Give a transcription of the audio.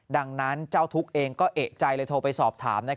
ดังนั้นเจ้าทุกข์เองก็เอกใจเลยโทรไปสอบถาม